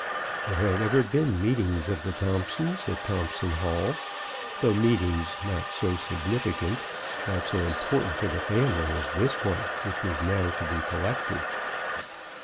There had ever been meetings of the Thompsons at Thompson Hall, though meetings not so significant, not so im portant to the family, as this one which was now to be collected.